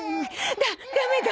ダダメだ。